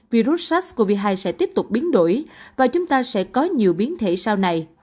virus sars cov hai sẽ tiếp tục biến đổi và chúng ta sẽ có nhiều biến thể sau này